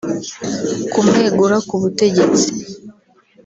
kumwegura ku butegetsi